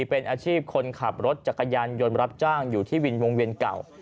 เป็นอาชีพคนขับรถจักรยานยนต์รับจ้างอยู่ที่วินวงเวียนเก่า